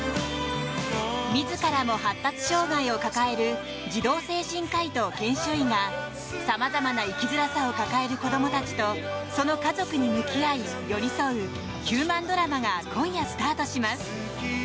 自らも発達障害を抱える児童精神科医と研修医がさまざまな生きづらさを抱える子供たちとその家族に向き合い、寄り添うヒューマンドラマが今夜スタートします。